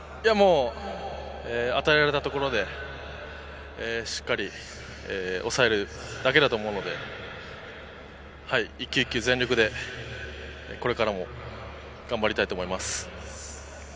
与えられたところで、しっかり抑えるだけだと思うので、一球一球、全力でこれからも頑張りたいと思います。